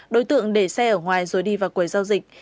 đối tượng để xe ở ngoài rồi đi vào quầy giao dịch